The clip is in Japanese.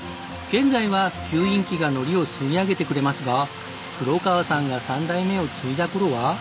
現在は吸引機が海苔を吸い上げてくれますが黒川さんが３代目を継いだ頃は。